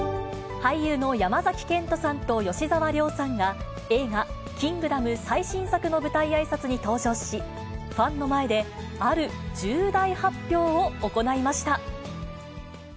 俳優の山崎賢人さんと吉沢亮さんが、映画、キングダム最新作の舞台あいさつに登場し、ファンの前で、ある重大発表を行いました。